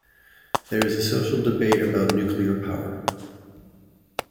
There is a social debate about nuclear power.